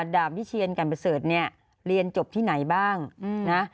ดาบวิเชียนกันประเสริฐเนี่ยเรียนจบที่ไหนบ้างนะ